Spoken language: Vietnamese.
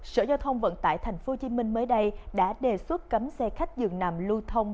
sở giao thông vận tải tp hcm mới đây đã đề xuất cấm xe khách dường nằm lưu thông